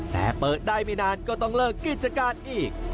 แต่เปิดได้ไม่นานก็ต้องเลิกกิจการอีก